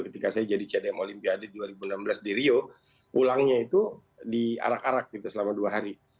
ketika saya jadi cdm olimpiade dua ribu enam belas di rio pulangnya itu diarak arak gitu selama dua hari